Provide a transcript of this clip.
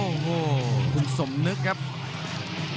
กรรมการเตือนทั้งคู่ครับ๖๖กิโลกรัม